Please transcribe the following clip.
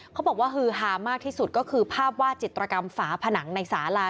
เขาบอกว่าฮือฮามากที่สุดก็คือภาพวาดจิตรกรรมฝาผนังในสาลา